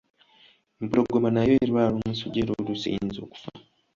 Empologoma nayo erwala omusujja era oluusi eyinza okufa.